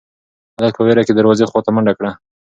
هلک په وېره کې د دروازې خواته منډه کړه.